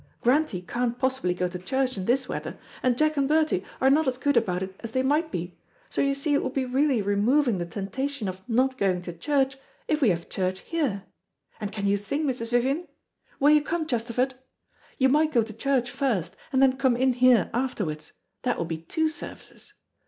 Grantie can't possibly go to church in this weather, and Jack and Bertie are not as good about it as they might be, so you see it would be really removing the temptation of not going to church if we have church here, and can you sing, Mrs. Vivian? Will you come, Chesterford? You might go to church first, and then come in here afterwards; that will be two services.